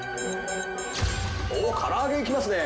おっ唐揚げいきますね。